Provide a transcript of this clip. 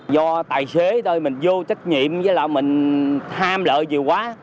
do tài xế thôi mình vô trách nhiệm với là mình ham lợi nhiều quá